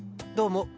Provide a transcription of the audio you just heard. どうも。